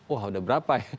wah udah berapa ya